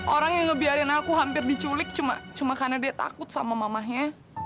orang yang ngebiarin aku hampir diculik cuma karena dia takut sama mamanya